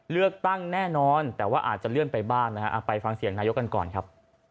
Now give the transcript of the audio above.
เลือกตั้งแน่นอนแต่ว่าอาจจะเลื่อนไปบ้างนะครับ